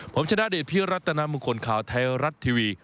ผมชนะเดชน์พี่รัฐตานัมงคลข่าวไทยรัททีวี